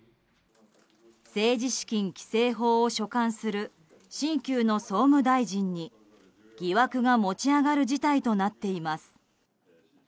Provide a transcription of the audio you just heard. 政治資金規正法を所管する新旧の総務大臣に疑惑が持ち上がる事態となっています。